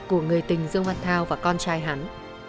của người tình dương văn thao và con trai hắn